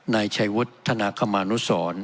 นายชัยวุฒิธนากรรมนุษศร